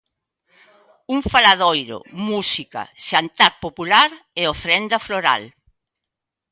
Un faladoiro, música, xantar popular e ofrenda floral.